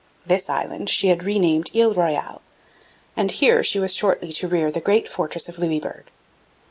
This island she had renamed Ile Royale, and here she was shortly to rear the great fortress of Louisbourg.